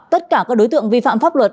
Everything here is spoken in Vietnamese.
tất cả các đối tượng vi phạm pháp luật